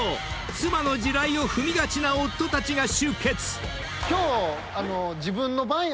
妻の地雷を踏みがちな夫たちが集結］